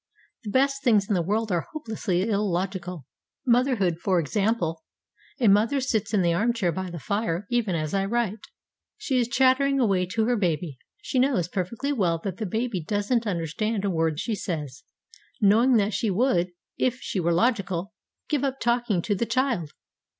The best things in the world are hopelessly illogical motherhood for example. A mother sits in the arm chair by the fire, even as I write. She is chattering away to her baby. She knows perfectly well that the baby doesn't understand a word she says. Knowing that she would, if she were logical, give up talking to the child.